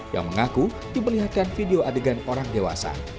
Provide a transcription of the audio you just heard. yang mengaku diperlihatkan video adegan orang dewasa